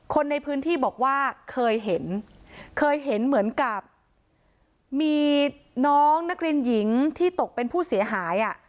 คนในพื้นที่บอกว่าเคยเห็นเคยเห็นเหมือนกับมีน้องนักเรียนหญิงที่ตกเป็นผู้เสียหายอ่ะ